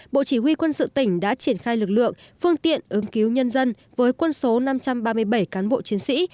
bộ chỉ huy quân sự tỉnh đã triển khai lực lượng phương tiện ứng cứu nhân dân với quân số năm trăm ba mươi bảy cán bộ chiến sĩ